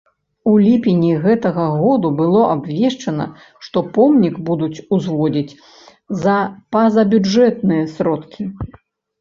У ліпені гэтага году было абвешчана, што помнік будуць узводзіць за пазабюджэтныя сродкі.